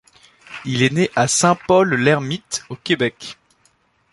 Il est né à Saint-Paul-l'Ermite au Québec.